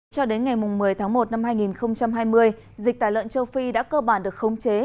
cho đến ngày một mươi tháng một năm hai nghìn hai mươi dịch tả lợn châu phi đã cơ bản được khống chế